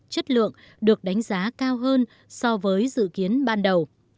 chất lượng được đánh giá cao hơn so với dự kiến ban đầu